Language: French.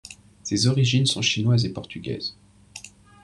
Ses origines sont chinoises et portugaises.